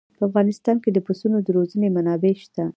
په افغانستان کې د پسونو د روزنې منابع شته.